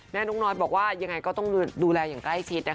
นกน้อยบอกว่ายังไงก็ต้องดูแลอย่างใกล้ชิดนะคะ